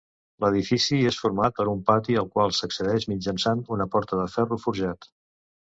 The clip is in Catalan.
L'edifici és format per un pati al qual s'accedeix mitjançant una porta de ferro forjat.